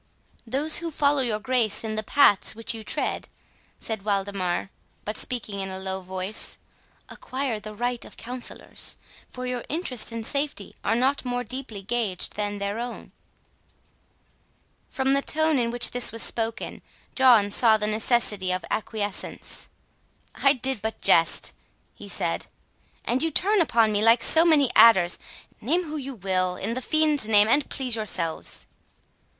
"Those who follow your Grace in the paths which you tread," said Waldemar, but speaking in a low voice, "acquire the right of counsellors; for your interest and safety are not more deeply gaged than their own." From the tone in which this was spoken, John saw the necessity of acquiescence. "I did but jest," he said; "and you turn upon me like so many adders! Name whom you will, in the fiend's name, and please yourselves."